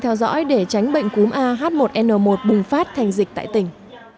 theo dõi để tránh bệnh cúm a h một n một bùng phát thành dịch tại tỉnh